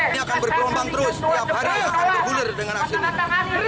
dia akan berkelombang terus tiap hari dia akan bergulir dengan aksi ini